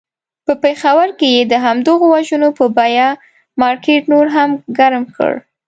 په پېښور کې یې د همدغو وژنو په بیه مارکېټ نور هم ګرم کړ.